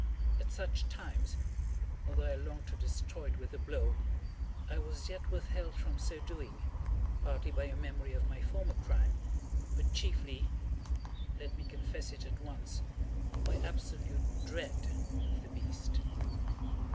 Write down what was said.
At such times, although I longed to destroy it with a blow, I was yet withheld from so doing, partly by a memory of my former crime, but chiefly—let me confess it at once—by absolute dread of the beast.